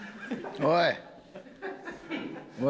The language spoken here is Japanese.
おい！